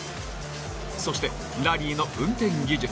そして、ラリーの運転技術